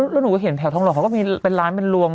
แล้วหนูก็เห็นแถวทองระภาพว่ามีร้านเป็นรวม